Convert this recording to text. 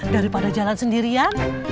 daripada jalan sendirian